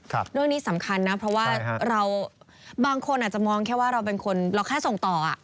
เรื่องนี้สำคัญนะเพราะว่าบางคนอาจจะมองแค่ว่าเราแค่ส่งต่อ